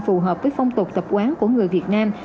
phù hợp với phong tục tập quán của người việt nam